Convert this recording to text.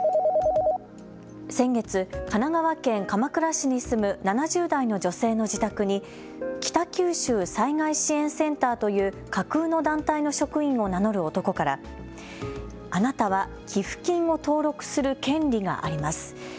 先月、神奈川県鎌倉市に住む７０代の女性の自宅に北九州災害支援センターという架空の団体の職員を名乗る男からあなたは寄付金を登録する権利があります。